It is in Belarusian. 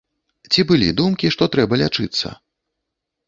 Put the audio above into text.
Ці былі думкі, што трэба лячыцца?